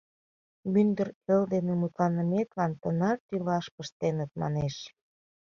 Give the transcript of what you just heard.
Мӱндыр эл дене мутланыметлан тынар тӱлаш пыштеныт, манеш...